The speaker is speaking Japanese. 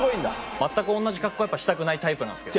全く同じ格好したくないタイプなんですけど。